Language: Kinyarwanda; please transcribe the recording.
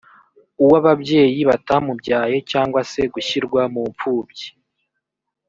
uw’ababyeyi batamubyaye cyangwa se gushyirwa mu mfubyi